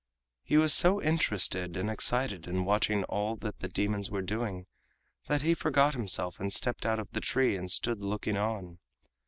He was so interested and excited in watching all that the demons were doing, that he forgot himself and stepped out of the tree and stood looking on.